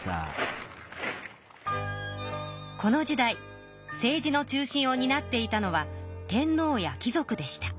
この時代政治の中心をになっていたのは天皇や貴族でした。